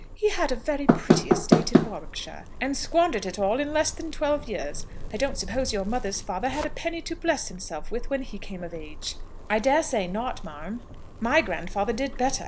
He had a very pretty estate in Warwickshire, and squandered it all in less than twelve years. I don't suppose your mother's father had a penny to bless himself with when he came of age." "I daresay not, ma'am." "My grandfather did better.